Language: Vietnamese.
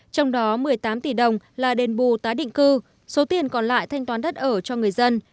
trong đó một mươi tám tỷ đồng là đền bù tái định cư số tiền còn lại thanh toán đất ở cho người dân